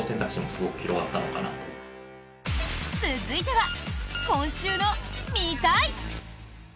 続いては今週の「見たい！」。